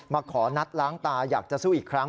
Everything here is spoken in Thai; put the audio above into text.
ขอนัดล้างตาอยากจะสู้อีกครั้ง